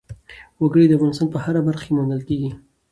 وګړي د افغانستان په هره برخه کې موندل کېږي.